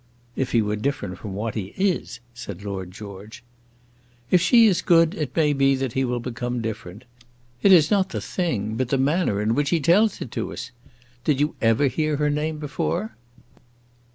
"If he were different from what he is," said Lord George. "If she is good it may be that he will become different. It is not the thing, but the manner in which he tells it to us! Did you ever hear her name before?"